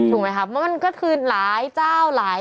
ถูกไหมคะมันก็คือหลายเจ้าหลาย